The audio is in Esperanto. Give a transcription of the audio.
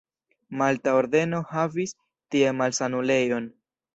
Malta Ordeno havis tie malsanulejon.